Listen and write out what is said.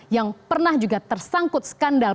yang pernah juga tersangkut skandal